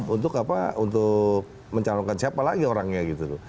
untuk apa untuk mencalonkan siapa lagi orangnya gitu loh